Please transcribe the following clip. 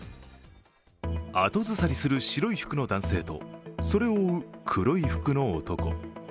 後ずさりする白い服の男性とそれを追う黒い服の男。